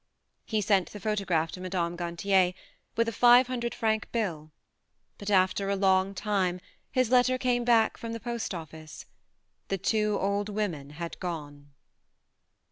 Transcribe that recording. He sent the photograph to Mme. Gantier, with a five hundred franc bill ; but after a long time his letter came back from the post office. The two old women had gone.